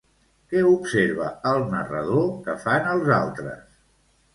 Què observa el narrador que fan els altres?